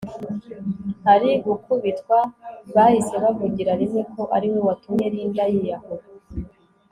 ari gukubitwa bahise bavugira rimwe ko ariwe watumye Linda yiyahura